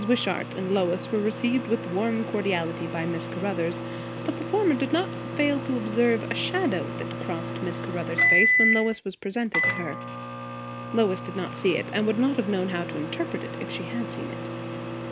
Wishart and Lois were received with warm cordiality by Miss Caruthers; but the former did not fail to observe a shadow that crossed Mrs. Caruthers' face when Lois was presented to her. Lois did not see it, and would not have known how to interpret it if she had seen it.